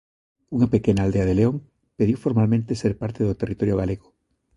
Unha pequena aldea de León pediu formalmente ser parte do territorio galego.